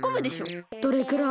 どれくらい？